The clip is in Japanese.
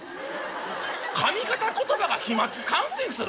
「上方言葉が飛まつ感染する？